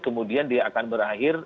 kemudian dia akan berakhir